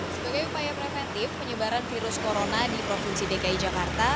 sebagai upaya preventif penyebaran virus corona di provinsi dki jakarta